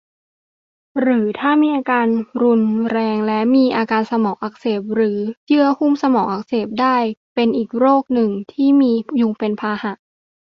หรือถ้ามีอาการรุนแรง จะมีอาการสมองอักเสบ หรือเยื่อหุ้มสมองอักเสบได้ เป็นอีกหนึ่งโรคที่มียุงเป็นพาหะ